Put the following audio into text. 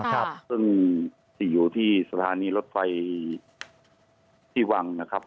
ซึ่งที่อยู่ที่สถานีรถไฟที่วังนะครับ